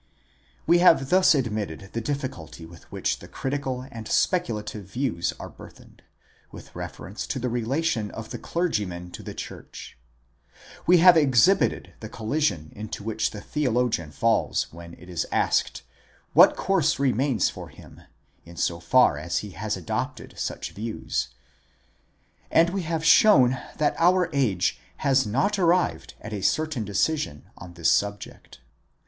We have thus admitted the difficulty with which the critical and speculative views are burthened, with reference to the relation of the clergyman to the church ; we have exhibited the collision into which the theologian falls, when » it is asked, what course remains for him in so far as he has adopted such views ? and we have shown that our age has not arrived at a certain decision on this subject.